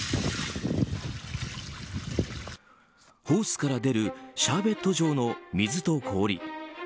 ホースから出るシャーベット状の水と氷。